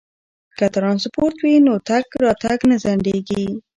که ترانسپورت وي نو تګ راتګ نه ځنډیږي.